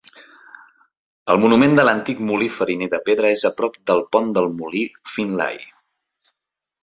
El monument de l'antic molí fariner de pedra és a prop del pont del Molí Finlay.